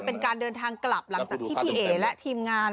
เป็นการเดินทางกลับหลังจากที่พี่เอ๋และทีมงาน